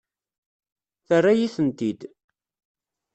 Terra-yi-tent-id.